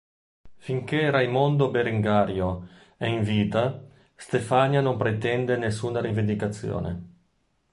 Finché Raimondo Berengario è in vita, Stefania non pretende nessuna rivendicazione.